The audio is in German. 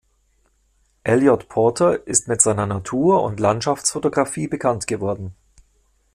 Eliot Porter ist mit seiner Natur- und Landschaftsfotografie bekannt geworden.